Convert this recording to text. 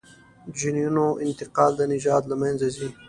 جینونو انتقال د نژاد له منځه ځي.